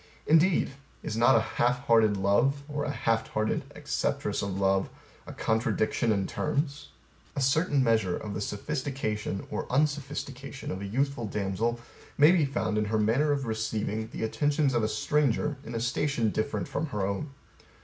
Indeed, Is not a half hearted love, or a half hearted acceptress of love, a contradiction in terms? A certain measure of the sophisticated or unsophistication of a youthful damsel may be found in her manner o f receiving the attentions of a stranger in a station different from her own.